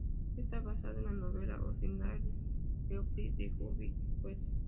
Está basada en la novela "Ordinary People" de Judith Guest.